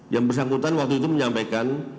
yang bersangkutan waktu itu menyampaikan